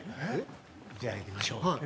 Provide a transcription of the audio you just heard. じゃあいきましょう。